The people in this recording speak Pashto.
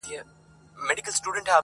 • پر جلا لارو مزلونه یې وهلي -